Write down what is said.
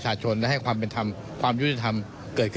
ก็จะถือว่าเป็นตัวอย่างก็ได้นะครับ